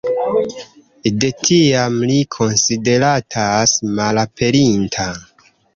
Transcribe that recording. De tiam li konsideratas malaperinta.